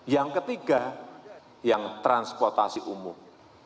yang ketiga yang transportasi umum